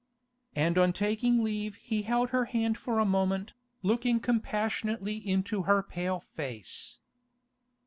And on taking leave he held her hand for a moment, looking compassionately into her pale face.